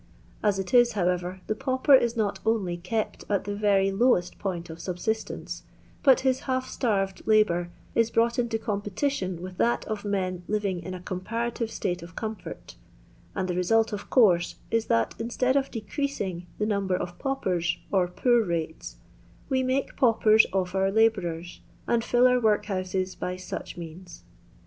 As it is, however, the pauper is not only kept at the Tery lowest point of sobsistence, but his half starved labour is brought kto competition with that of men living in a comparative state of comfort ; and the result, of course, is, that in stead of decreasmg the number of paupers or poor^ratei^ we make panpen of our labourers, and fill our workhouses by such means.